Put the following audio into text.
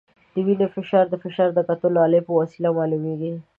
د وینې فشار د فشار د کتلو د الې په وسیله معلومېږي.